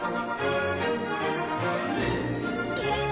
いいぞ。